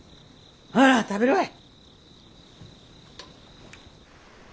ほら食べるわい。